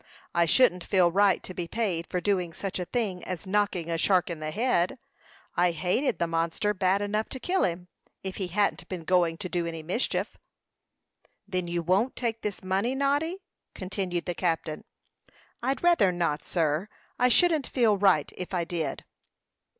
I shouldn't feel right to be paid for doing such a thing as knocking a shark in the head. I hated the monster bad enough to kill him, if he hadn't been going to do any mischief." "Then you won't take this money, Noddy?" continued the captain. "I'd rather not, sir. I shouldn't feel right if I did."